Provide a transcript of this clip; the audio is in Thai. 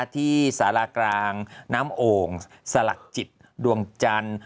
ที่สารากลางน้ำโอ่งสลักจิตดวงจันทร์